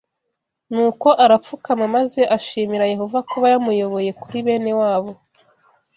Nuko arapfukama maze ashimira Yehova kuba yamuyoboye kuri bene wabo